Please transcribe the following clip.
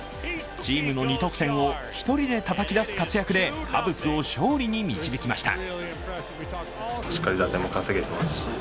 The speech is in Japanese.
チームの２得点を１人でたたき出す活躍でカブスを勝利に導きました。